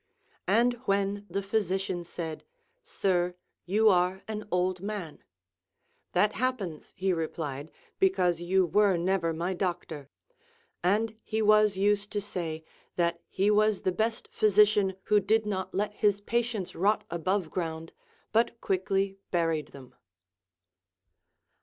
And when the physician said. Sir, you are an old man ; That happens, he replied, because you were never my doc tor. And he was used to say, that he was the best physi cian, who did not let his patients rot above ground, but quickly buried them.